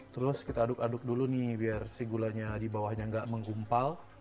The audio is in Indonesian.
terus kita aduk aduk dulu nih biar si gulanya di bawahnya nggak menggumpal